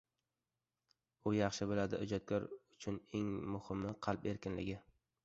U yaxshi biladi, ijodkor uchun eng muhimi qalb erkinligi.